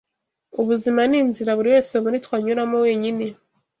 ubuzima ni inzira buri wese muri twe anyuramo wenyine